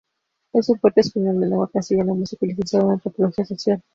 Es un poeta español en lengua castellana, músico y licenciado en Antropología Social.